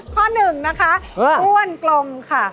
ข้อหนึ่งนะคะอ้วนกลม